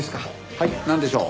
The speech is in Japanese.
はいなんでしょう？